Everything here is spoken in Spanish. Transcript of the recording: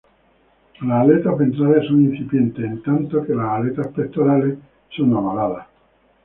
Las aletas ventrales son incipientes, en tanto las aletas pectorales son ovaladas.